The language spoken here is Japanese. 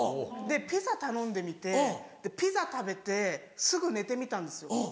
ピザ頼んでみてピザ食べてすぐ寝てみたんですよ。